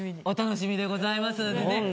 お楽しみでございますのでね。